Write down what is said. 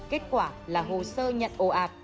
kết quả là hồ sơ nhận ồ ạc